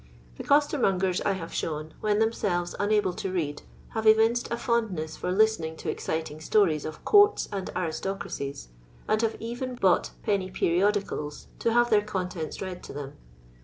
The costermongers, I have shown, when themselvea un able to read, have evinced a fondness for listening to exciting stories of courts and aristocracies, and have even bought penny periodicals to have their contents read to them.